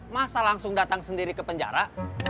masa langsung datang sendiri ke penjara